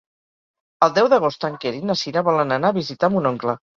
El deu d'agost en Quer i na Cira volen anar a visitar mon oncle.